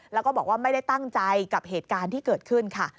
แล้วก็บอกว่าไม่ได้ตั้งใจกับเหตุการณ์ที่เกิดขึ้นค่ะ